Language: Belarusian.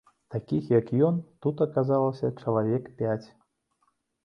Такіх, як ён, тут аказалася чалавек пяць.